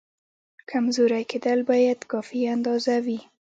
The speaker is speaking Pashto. کمزوری کېدل باید کافي اندازه وي.